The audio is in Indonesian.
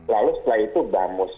lalu setelah itu gamus